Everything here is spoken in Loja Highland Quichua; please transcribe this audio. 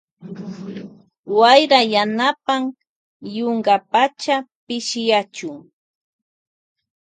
Wayra yanapan yunkapacha pishiyachun.